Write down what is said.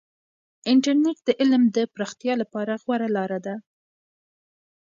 انټرنیټ د علم د پراختیا لپاره غوره لاره ده.